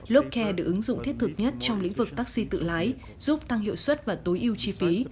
lốp care được ứng dụng thiết thực nhất trong lĩnh vực taxi tự lái giúp tăng hiệu suất và tối yêu chi phí